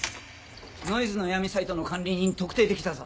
ノイズの闇サイトの管理人特定できたぞ。